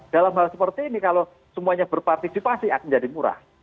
dalam hal seperti ini kalau semuanya berpartisipasi akan jadi murah